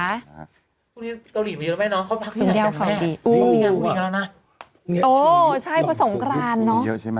อะไร